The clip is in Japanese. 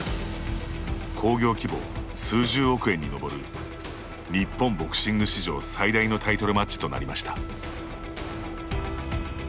興行規模数十億円に上る日本ボクシング史上最大のタイトルマッチとなりました。